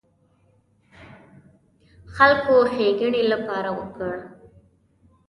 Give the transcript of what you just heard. خلکو ښېګڼې لپاره وکړ.